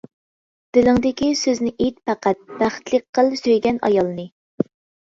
دىلىڭدىكى سۆزنى ئېيت پەقەت، بەختلىك قىل سۆيگەن ئايالنى.